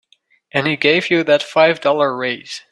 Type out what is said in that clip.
And he gave you that five dollar raise.